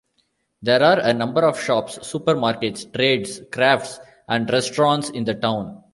There are a number of shops, supermarkets, trades, crafts and restaurants in the town.